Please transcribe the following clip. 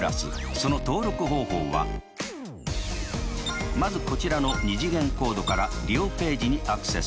その登録方法はまずこちらの２次元コードから利用ページにアクセス。